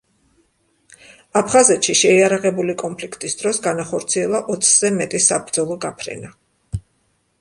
აფხაზეთში შეიარაღებული კონფლიქტის დროს განახორციელა ოცზე მეტი საბრძოლო გაფრენა.